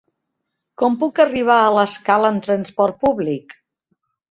Com puc arribar a l'Escala amb trasport públic?